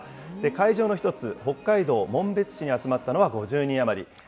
会場の一つ、北海道紋別市に集まったのは５０人余り。